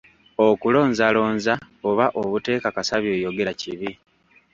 Okulonzalonza oba obuteekakasa by'oyogera kibi.